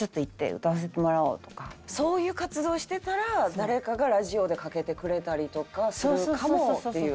そういう活動してたら誰かがラジオでかけてくれたりとかするかもっていう。